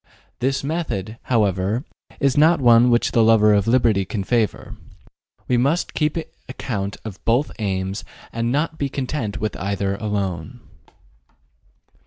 This method, however, is not one which the lover of liberty can favor. We must keep account of both aims and not be content with either alone.